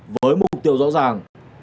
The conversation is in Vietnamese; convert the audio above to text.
với mục tiêu rõ ràng